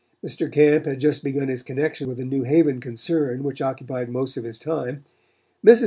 Mr. Camp had just begun his connection with a New Haven concern which occupied most of his time. Mrs.